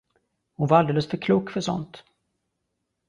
Hon var alldeles för klok för sådant.